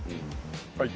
はい！